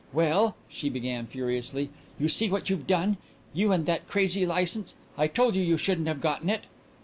"Well," she began furiously, "you see what you've done! You and that crazy license! I told you you shouldn't have gotten it!"